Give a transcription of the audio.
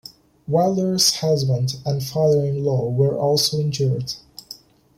Wilder's husband and father-in-law were also injured.